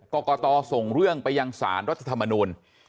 กรกตส่งเรื่องไปยังสารรัฐธรรมนูล